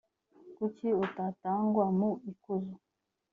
kuki utatangwa mu ikuzo